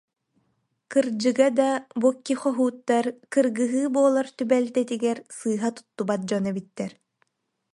Кырдьыга да, бу икки хоһууттар кыргыһыы буолар түбэлтэтигэр сыыһа туттубат дьон эбиттэр